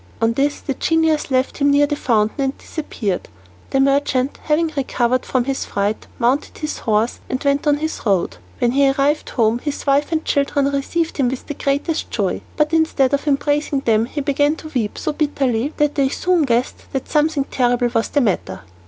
On this the genius left him near the fountain and disappeared. The merchant, having recovered from his fright, mounted his horse and went on his road. When he arrived home his wife and children received him with the greatest joy. But instead of embracing them he began to weep so bitterly that they soon guessed that something terrible was the matter.